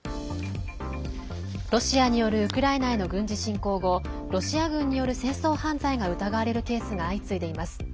ロシアによるウクライナへの軍事侵攻後ロシア軍による戦争犯罪が疑われるケースが相次いでいます。